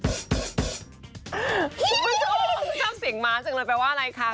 คุณผู้ชมชอบเสียงม้าจังเลยแปลว่าอะไรคะ